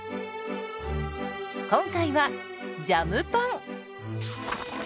今回はジャムパン。